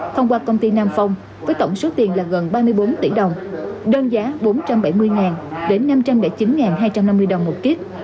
thông qua công ty nam phong với tổng số tiền là gần ba mươi bốn tỷ đồng đơn giá bốn trăm bảy mươi đến năm trăm linh chín hai trăm năm mươi đồng một kiếp